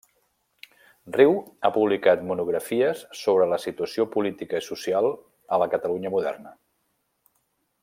Riu ha publicat monografies sobre la situació política i social a la Catalunya moderna.